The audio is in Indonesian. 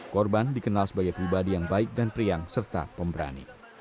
korban dikenal sebagai pribadi yang baik dan priang serta pemberani